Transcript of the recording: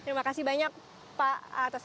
terima kasih banyak pak atas